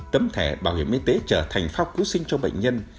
tấm thẻ bảo hiểm y tế trở thành pháp cứu sinh cho bệnh nhân